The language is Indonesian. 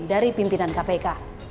dari pimpinan kpk